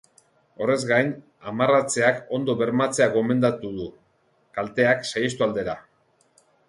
Horrez gain, amarratzeak ondo bermatzea gomendatu du, kalteak saihestu aldera.